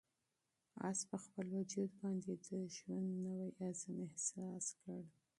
آس په خپل وجود باندې د ژوند نوی عزم احساس کړ.